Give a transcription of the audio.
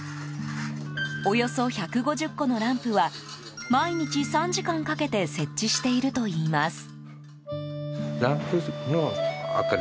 およそ１５０個のランプは毎日３時間かけて設置しているといいます。